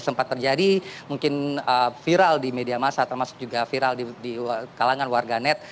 sempat terjadi mungkin viral di media masa termasuk juga viral di kalangan warga net